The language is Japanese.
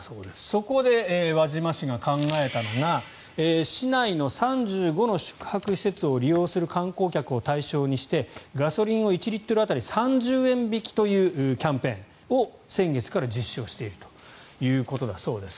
そこで輪島市が考えたのが市内の３５の宿泊施設を利用する観光客を対象にしてガソリン１リットル当たり３０円引きというキャンペーンを先月から実施しているということです。